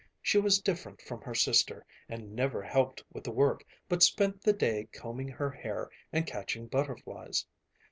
She was different from her sister, and never helped with the work, but spent the day combing her hair and catching butterflies.